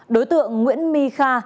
đối tượng nguyễn my kha